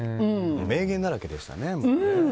名言だらけでしたね。